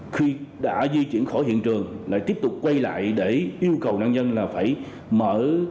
khi đã di chuyển khỏi hiện trường lại tiếp tục quay lại để yêu cầu nạn nhân là phải mở